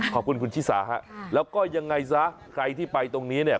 ขอบคุณคุณชิสาฮะแล้วก็ยังไงซะใครที่ไปตรงนี้เนี่ย